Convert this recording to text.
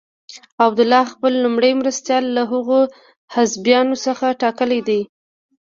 عبدالله خپل لومړی مرستیال له هغو حزبیانو څخه ټاکلی دی.